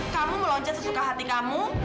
kamu meloncat sesuka hati kamu